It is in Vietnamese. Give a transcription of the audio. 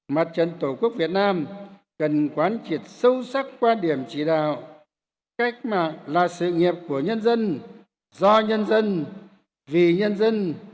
mặt trận tổ quốc việt nam cần quán triệt sâu sắc quan điểm chỉ đạo cách mạng là sự nghiệp của nhân dân do nhân dân vì nhân dân